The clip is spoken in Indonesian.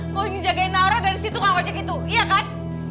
mau ngejagain naura dari situ kamu ojek itu iya kan